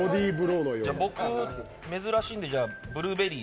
僕、珍しいんでブルーベリー。